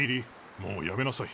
もうやめなさい。